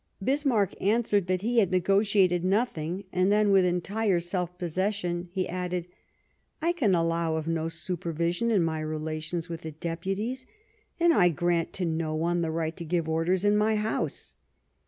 Bismarck answered that he had negotiated no thing ; and then, with entire self possession, he added : "I can allow of no supervision in my rela tions with the Deputies, and I grant to no one the right to give orders in my house.